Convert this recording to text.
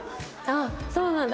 あっそうなんだ。